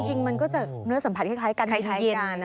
จริงมันก็จะเนื้อสัมผัสคล้ายกันเย็น